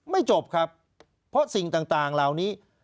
จบครับเพราะสิ่งต่างเหล่านี้